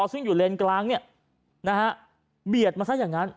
ซึ่งอยู่เลนกลางเนี่ยนะฮะเบียดมาซะอย่างนั้น